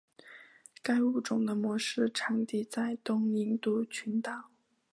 该物种的模式产地在东印度群岛。